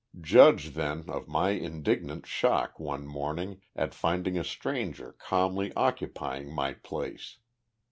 Judge, then, of my indignant shock, one morning, at finding a stranger calmly occupying my place.